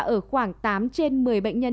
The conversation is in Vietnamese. ở khoảng tám trên một mươi bệnh nhân